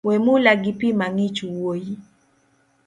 Wemula gipi mang’ich wuoyi